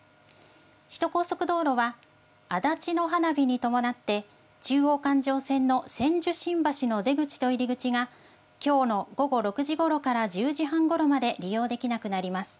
首都高速道路は足立の花火に伴って、中央環状線の千住新橋の出口と入り口が、きょうの午後６時ごろから１０時半ごろまで利用できなくなります。